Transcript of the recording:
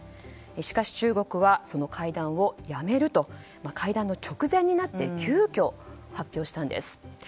しかし、中国はその会談をやめると、会談の直前になって急きょ発表したんです。